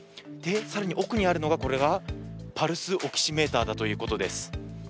更に奥にあるのがパルスオキシメーターだということです。